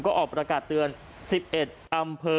ก็ออกประกาศเตือน๑๑อำเภอ